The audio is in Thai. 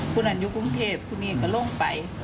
คุณอันอยู่กรุงเทพคุณเองก็ลงไป